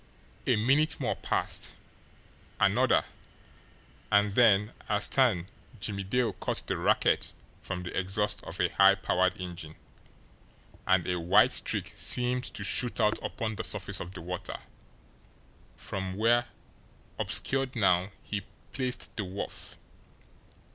A minute more passed, another and then, astern, Jimmie Dale caught the racket from the exhaust of a high powered engine, and a white streak seemed to shoot out upon the surface of the water from where, obscured now, he placed the wharf.